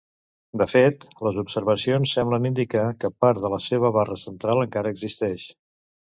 De fet, les observacions semblen indicar que part de la seva barra central encara existeix.